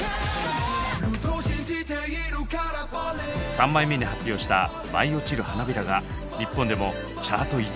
３枚目に発表した「舞い落ちる花びら」が日本でもチャート１位を獲得します。